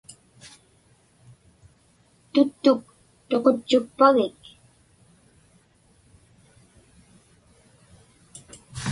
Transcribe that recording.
Tuttuk tuqutchukpagik?